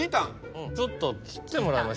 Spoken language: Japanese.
ちょっと切ってもらいましょう。